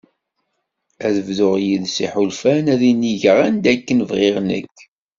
Ad bḍuɣ yides iḥulfan ad innigeɣ anda akken bɣiɣ nekk.